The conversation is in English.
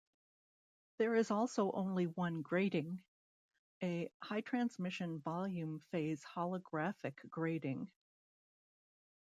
There is also only one grating, a high transmission volume phase holographic grating.